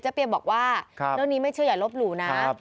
เปียมบอกว่าเรื่องนี้ไม่เชื่ออย่าลบหลู่นะ